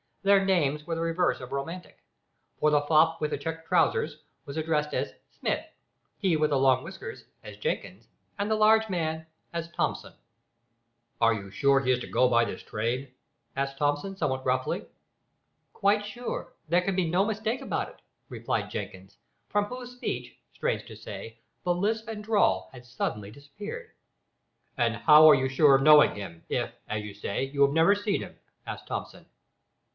Their names were the reverse of romantic, for the fop with the checked trousers was addressed as Smith, he with the long whiskers as Jenkins, and the large man as Thomson. "Are you sure he is to go by this train?" asked Thomson, somewhat gruffly. "Quite sure. There can be no mistake about it," replied Jenkins, from whose speech, strange to say, the lisp and drawl had suddenly disappeared. "And how are you sure of knowing him, if, as you say, you have never seen him?" asked Thomson.